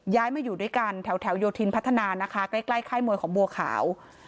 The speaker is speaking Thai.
ย้ายมาอยู่ด้วยกันแถวโยธินพัฒนานะคะใกล้ค่ายมวยของบัวขาว